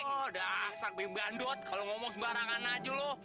oh dasar bam bandut kalau ngomong sembarangan aja loh